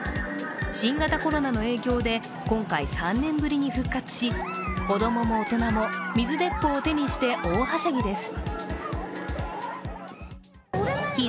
新型コロナの影響で今回３年ぶりに復活し、子供も大人も水鉄砲を手にして大はしゃぎです。